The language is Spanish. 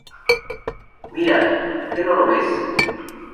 Mira ¿Ke No Lo Ves?